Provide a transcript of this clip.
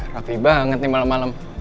rapi banget nih malem malem